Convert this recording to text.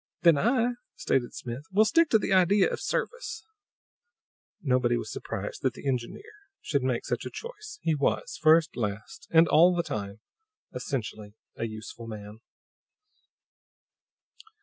"Then I," stated Smith, "will stick to the idea of service." Nobody was surprised that the engineer should make such a choice; he was, first, last, and all the time, essentially a useful man.